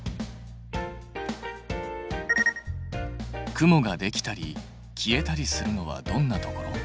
雲ができたり消えたりするのはどんなところ？